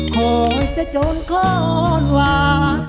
ขอให้เจ้าคนความหวาน